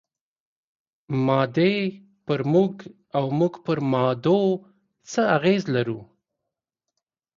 مادې پر موږ او موږ پر مادو څه اغېز لرو؟